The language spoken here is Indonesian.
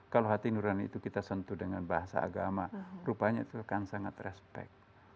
kalau hati nurani itu kita sentuh dengan bahasa agama rupanya itu akan sangat respect